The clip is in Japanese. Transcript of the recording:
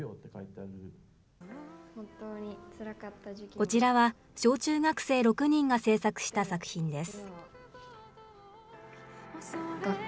こちらは、小中学生６人が制作した作品です。